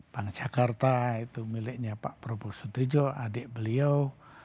bank jakarta itu miliknya pak prabowo sutejo adik beliau